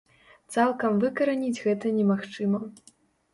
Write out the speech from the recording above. Цалкам выкараніць гэта немагчыма.